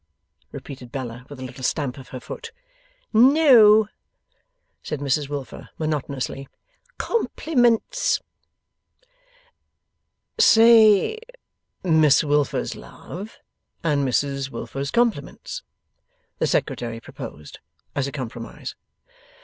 repeated Bella, with a little stamp of her foot. 'No!' said Mrs Wilfer, monotonously. 'Compliments.' ['Say Miss Wilfer's love, and Mrs Wilfer's compliments,' the Secretary proposed, as a compromise.)